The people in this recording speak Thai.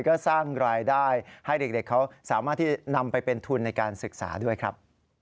ก็สร้างรายได้ให้เด็กเขาสามารถที่นำไปเป็นทุนในการศึกษาด้วยครับ